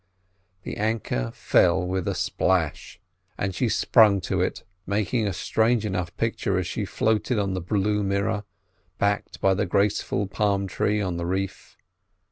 The anchor fell with a splash, and she swung to it, making a strange enough picture as she floated on the blue mirror, backed by the graceful palm tree on the reef.